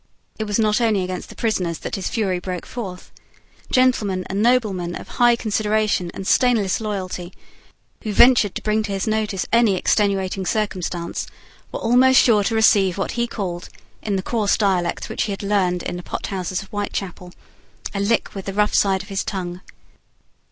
It was not only against the prisoners that his fury broke forth. Gentlemen and noblemen of high consideration and stainless loyalty, who ventured to bring to his notice any extenuating circumstance, were almost sure to receive what he called, in the coarse dialect which he had learned in the pothouses of Whitechapel, a lick with the rough side of his tongue.